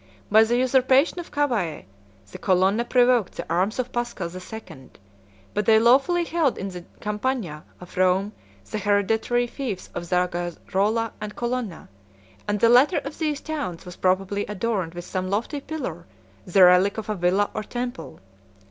By the usurpation of Cavæ, the Colonna provoked the arms of Paschal the Second; but they lawfully held in the Campagna of Rome the hereditary fiefs of Zagarola and Colonna; and the latter of these towns was probably adorned with some lofty pillar, the relic of a villa or temple.